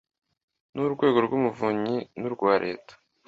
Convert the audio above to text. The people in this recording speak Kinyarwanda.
n urwego rw umuvunyi nu rwa leta